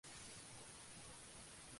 Árabe jordano cae en tres variedades